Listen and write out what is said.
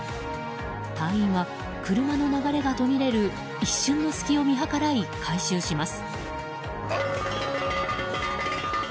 隊員は車の流れが途切れる一瞬の隙を見計らい回収します。